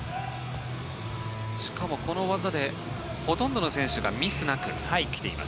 しかもこの技でほとんどの選手がミスなくきています。